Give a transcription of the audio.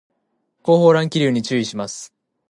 後方乱気流に注意します